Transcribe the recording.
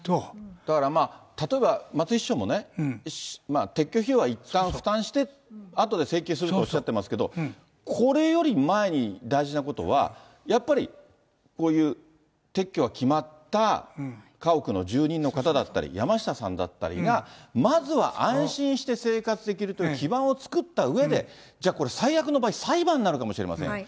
だから、例えば松井市長も、撤去費用はいったん負担して、あとで請求するとおっしゃってますけど、これより前に大事なことは、やっぱり、こういう撤去が決まった家屋の住人の方だったり、山下さんだったりがまずは安心して生活できるという基盤を作ったうえで、じゃあこれ、最悪の場合、裁判になるかもしれません。